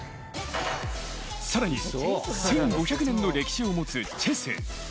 更に１５００年の歴史を持つチェス。